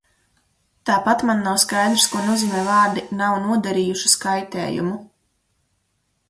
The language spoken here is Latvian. "Tāpat man nav skaidrs, ko nozīmē vārdi "nav nodarījušas kaitējumu"."